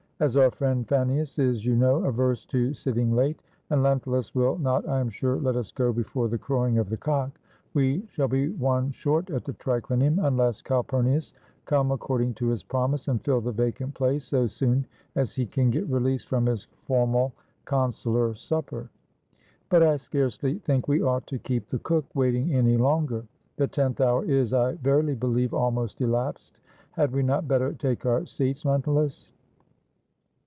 "As our friend Fannius is, you know, averse to sitting late, and Lentulus will not, I am sure, let us go before the crowing of the cock, we shall be one short at the triclinium, unless Calpumius come according to his promise, and fill the vacant place, so soon as he can get released from his formal consular 471 ROME supper. But I scarcely think we ought to keep the cook waiting any longer. The tenth hour is, I verily beheve, almost elapsed. Had we not better take our seats, Len tulus?"